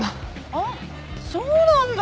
あっそうなんだ。